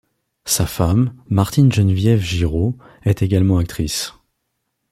Sa femme, Martine-Geneviève Girault, est également actrice.